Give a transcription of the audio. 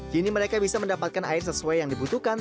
kini mereka bisa mendapatkan air sesuai yang dibutuhkan